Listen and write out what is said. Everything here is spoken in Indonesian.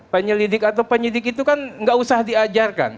penyelidik atau penyidik itu kan nggak usah diajarkan